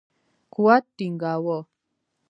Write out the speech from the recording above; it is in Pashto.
قوت ټینګاوه.